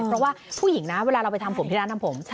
เพราะว่าผู้หญิงนะเวลาเราไปทำผมที่ร้านทำผม